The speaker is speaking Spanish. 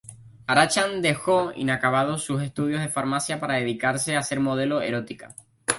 Arancha dejó inacabados sus estudios de Farmacia para dedicarse a ser modelo erótica.